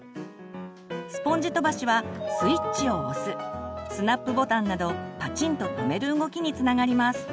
スポンジ飛ばしはスイッチを押すスナップボタンなどパチンと留める動きにつながります。